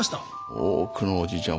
多くのおじいちゃん